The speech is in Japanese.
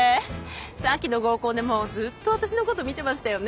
さっきの合コンでもずっと私のこと見てましたよね！